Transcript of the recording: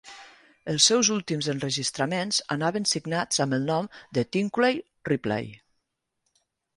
Els seus últims enregistraments anaven signats amb el nom de Twinkle Ripley.